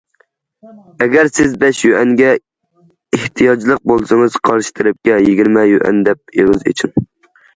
ئەگەر سىز بەش يۈەنگە ئېھتىياجلىق بولسىڭىز قارشى تەرەپكە يىگىرمە يۈەن دەپ ئېغىز ئېچىڭ.